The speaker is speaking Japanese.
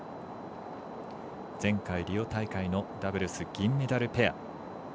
前回、リオ大会のダブルス銀メダルペア。